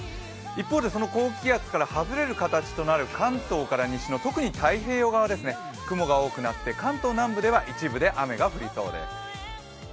一方でその高気圧から外れる形になる関東から東の特に太平洋側は雲が多くなって関東南部では一部で雨が降りそうです。